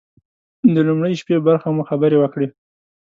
د لومړۍ شپې برخه مو خبرې وکړې.